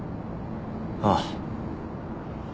ああ。